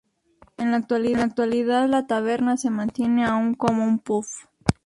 En la actualidad, la taberna se mantiene aún como un pub.